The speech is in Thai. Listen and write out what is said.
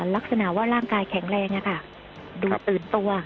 ลักษณะว่าร่างกายแข็งแรงดูตื่นตัว